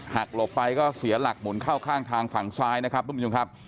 หลบไปก็เสียหลักหมุนเข้าข้างทางฝั่งซ้ายนะครับทุกผู้ชมครับ